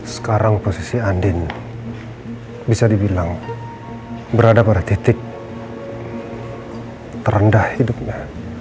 sekarang posisi andin bisa dibilang berada pada titik terendah hidupnya